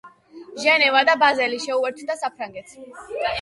ჟენევა და ბაზელი შეუერთდა საფრანგეთს.